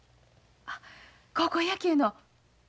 あ高校野球の。